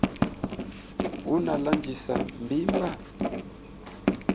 Unalandjisa mbimba?